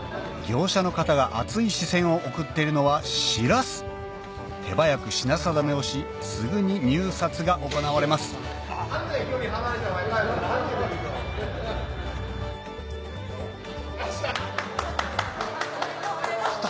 業者の方が熱い視線を送っているのはしらす手早く品定めをしすぐに入札が行われますよっしゃ！